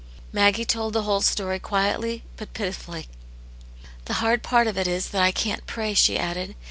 Maggie told the whole story quietly, but pitifully. "The hard part of it is that I can't pray," she added.